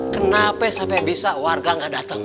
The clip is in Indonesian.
kenapa sampai bisa warga gak dateng